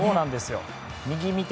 右を見て。